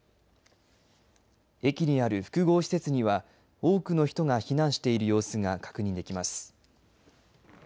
駅にある複合施設には多くの人が避難している様子が確認できます。